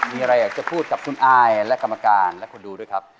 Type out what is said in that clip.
มีอะไรอยากจะพูดกับคุณอายและกรรมการและคนดูด้วยครับ